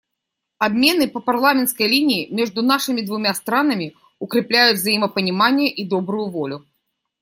Обмены по парламентской линии между нашими двумя странами укрепляют взаимопонимание и добрую волю.